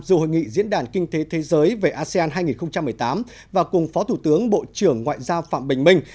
dù hội nghị diễn đàn kinh tế thế giới về asean hai nghìn một mươi tám và cùng phó thủ tướng bộ trưởng ngoại giao phạm bình minh